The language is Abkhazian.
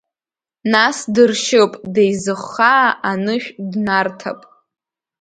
Нас дыршьып, деизыххаа, анышә днарҭап.